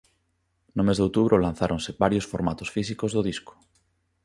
No mes de outubro lanzáronse varios formatos físicos do disco.